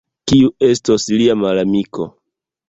Kiu estos lia malamiko?